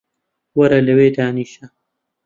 وەرە لەوێ دانیشە